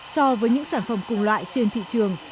so với những sản phẩm cùng loại trên thị trường